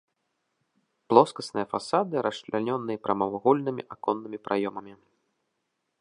Плоскасныя фасады расчлянёны прамавугольнымі аконнымі праёмамі.